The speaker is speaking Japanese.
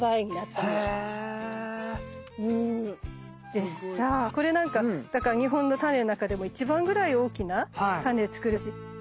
でさあこれなんか日本のタネの中でも一番ぐらい大きなタネ作るし。